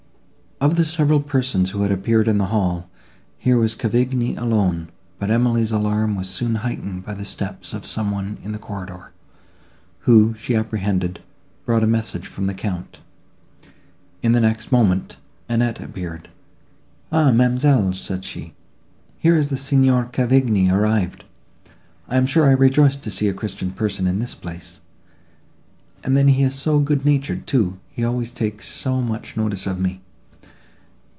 Of the several persons who had appeared in the hall, here was Cavigni alone: but Emily's alarm was soon after heightened by the steps of some one in the corridor, who, she apprehended, brought a message from the Count. In the next moment, Annette appeared. "Ah! ma'amselle," said she, "here is the Signor Cavigni arrived! I am sure I rejoiced to see a christian person in this place; and then he is so good natured too, he always takes so much notice of me!